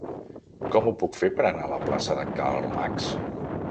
Com ho puc fer per anar a la plaça de Karl Marx?